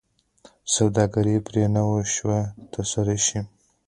سوداګري پرې نه شوه ترسره شي.